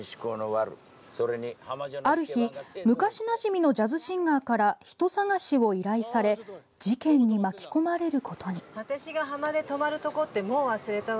ある日、昔なじみのジャズシンガーから人探しを依頼され事件に巻き込まれることに。